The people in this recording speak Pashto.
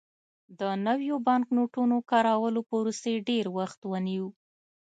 د نویو بانکنوټونو کارولو پروسې ډېر وخت ونیو.